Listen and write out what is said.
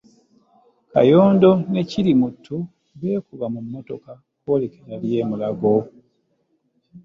Kayondo ne Kirimuttu beekuba mu mmotoka kwolekera ly'e Mulago.